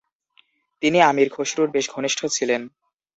তিনি আমির খসরুর বেশ ঘনিষ্ঠ ছিলেন।